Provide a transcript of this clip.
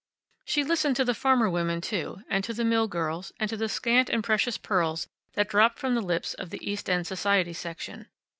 She listened to the farmer women too, and to the mill girls, and to the scant and precious pearls that dropped from the lips of the East End society section.